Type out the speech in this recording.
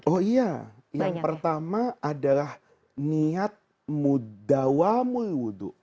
oh iya yang pertama adalah niat mudawamul wudhu